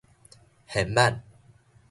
現挽